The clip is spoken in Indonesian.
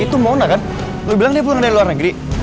itu mona kan lo bilang dia pulang dari luar negeri